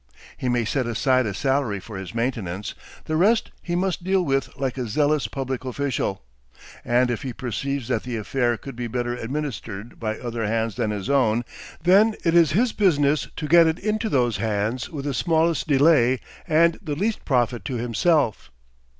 He may set aside a salary for his maintenance; the rest he must deal with like a zealous public official. And if he perceives that the affair could be better administered by other hands than his own, then it is his business to get it into those hands with the smallest delay and the least profit to himself.